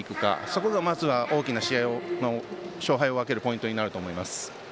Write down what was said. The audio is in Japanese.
そこがまずは大きな試合の勝敗を分けるポイントになると思います。